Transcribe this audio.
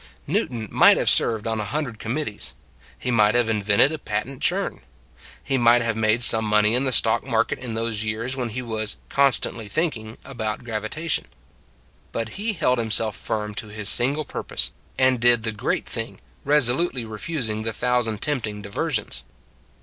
Newton might have served on a hun dred committees; he might have invented a patent churn; he might have made some money in the stock market in those years when he was " constantly thinking " about gravitation. But he held himself firm to his single purpose, and did the great thing, resolutely refusing the thousand tempting diversions.